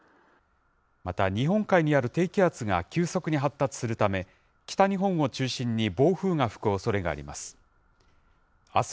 また、日本海にある低気圧が急速に発達するため、北日本を中心に、暴風が吹くおそれがあります。